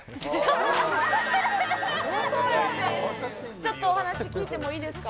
ちょっとお話聞いてもいいですか。